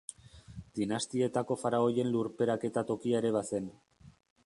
Dinastietako faraoien lurperaketa tokia ere bazen.